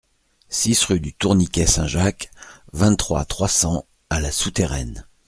six rue du Tourniquet Saint-Jacques, vingt-trois, trois cents à La Souterraine